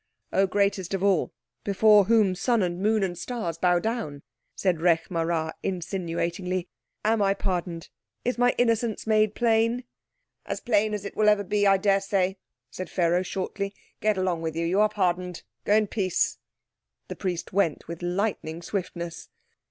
"Oh, greatest of all, before whom sun and moon and stars bow down," said Rekh marā insinuatingly, "am I pardoned? Is my innocence made plain?" "As plain as it ever will be, I daresay," said Pharaoh shortly. "Get along with you. You are pardoned. Go in peace." The priest went with lightning swiftness.